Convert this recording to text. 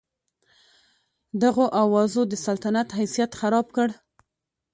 دغو اوازو د سلطنت حیثیت خراب کړ.